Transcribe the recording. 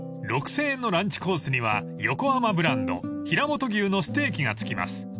［６，０００円のランチコースには横浜ブランド平本牛のステーキが付きます］